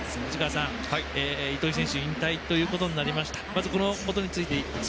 糸井選手引退ということになりました。